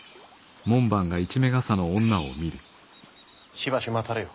しばし待たれよ。